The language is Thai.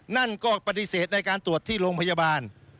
นั่นก็ปฏิเสธในการตรวจที่โรงพยาบาล